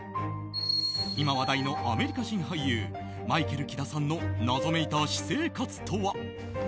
今話題のアメリカ人俳優マイケル・キダさんの謎めいた私生活とは？